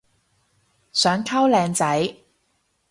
想溝靚仔